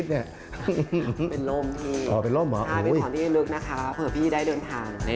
ใช่เป็นของที่เล็กนะคะเผื่อพี่ได้เดินทาง